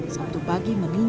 sabtu pagi menunjukkan